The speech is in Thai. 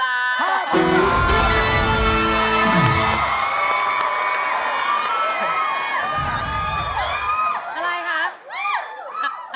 อะไรครับ